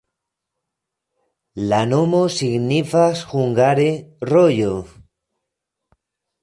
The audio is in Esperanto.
La nomo signifas hungare: rojo.